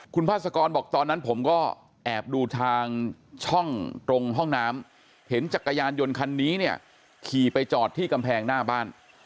คุณพาสกรบอกตอนนั้นผมก็แอบดูทางช่องตรงห้องน้ำเห็นจักรยานยนต์คันนี้เนี่ยขี่ไปจอดที่กำแพงหน้าบ้าน